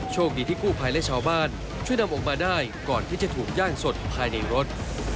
โชคดีที่กู้ภัยและชาวบ้านช่วยนำออกมาได้ก่อนที่จะถูกย่างสดภายในรถ